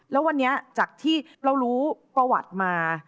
แล้ววันนี้จากที่เรารู้ประวัติมา